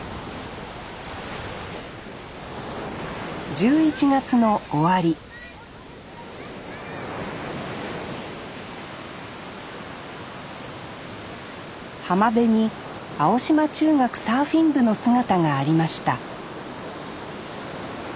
１１月の終わり浜辺に青島中学サーフィン部の姿がありました